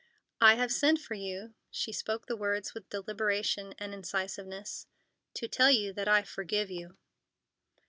"I have sent for you"—she spoke the words with deliberation and incisiveness—"to tell you that I forgive you."